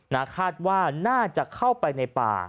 นาคาดว่าน่าจะเข้าไปในป่า